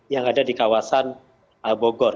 yang ada di kawasan bogor